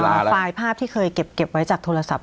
ไฟล์ภาพที่เคยเก็บไว้จากโทรศัพท์